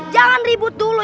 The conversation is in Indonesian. jangan ribut dulu